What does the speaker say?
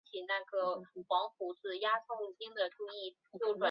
圣莱热特里耶伊。